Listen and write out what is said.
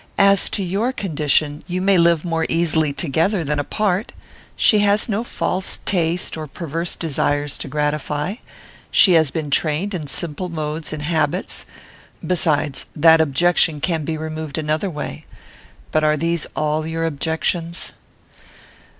As to your condition, you may live more easily together than apart. She has no false taste or perverse desires to gratify. She has been trained in simple modes and habits. Besides, that objection can be removed another way. But are these all your objections?"